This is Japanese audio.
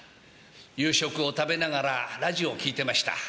夕食を食べながらラジオを聴いていました。